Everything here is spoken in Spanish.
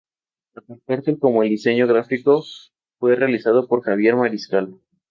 Tanto el cartel como el diseño gráfico fue realizado por Javier Mariscal.